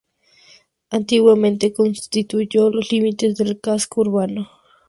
Antiguamente constituyó los límites del casco urbano.